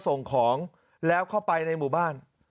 ส่งของแล้วเข้าไปในหมู่บ้าน